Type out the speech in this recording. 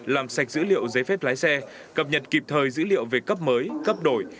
làm sạch dữ liệu giấy phép lái xe cập nhật kịp thời dữ liệu về cấp mới cấp đổi